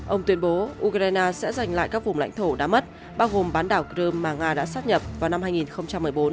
ông tuyên bố ukraine sẽ giành lại các vùng lãnh thổ đã mất bao gồm bán đảo crime mà nga đã xác nhập vào năm hai nghìn một mươi bốn